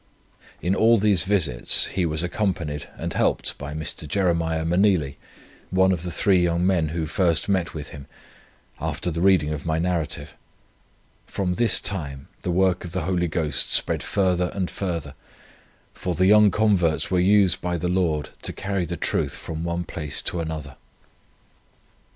In all these visits he was accompanied and helped by Mr. Jeremiah Meneely, one of the three young men who first met with him, after the reading of my Narrative. From this time the work of the Holy Ghost spread further and further; for the young converts were used by the Lord to carry the truth from one place to another.